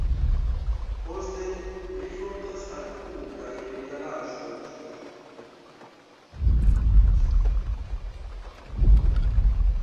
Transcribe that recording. Poste ili frontas al krudaj realaĵoj.